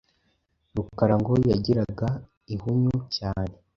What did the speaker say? Rukara ngo yagiraga ihinyu cyane.